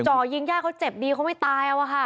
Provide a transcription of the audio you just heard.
จ่อยิงญาติเขาเจ็บดีเขาไม่ตายเอาอะค่ะ